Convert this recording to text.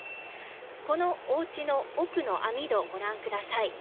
このおうちの奥の網戸ご覧ください。